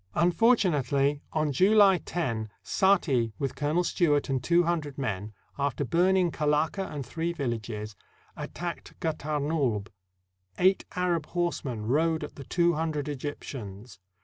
Unfortunately, on July lo, Saati, with Colonel Stewart and two hundred men, after burning Kalaka and three villages, attacked Gatarnulb. Eight Arab horsemen rode at the two hundred Egyptians.